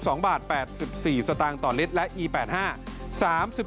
โทษภาพชาวนี้ก็จะได้ราคาใหม่